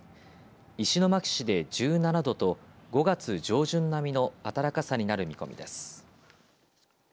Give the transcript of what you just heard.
石巻市で１７度と５月上旬並みの暖かさになる見込みです。